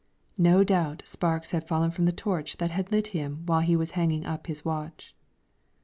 No doubt sparks had fallen from the torch that had lit him while he was hanging up his watch.